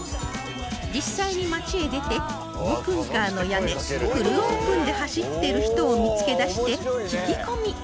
実際に街へ出てオープンカーの屋根フルオープンで走ってる人を見つけ出して聞き込み！